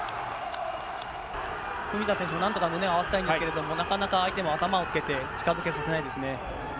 文田選手もなんとか胸を合わせたいんですけども、なかなか相手も頭を近づけさせないですね。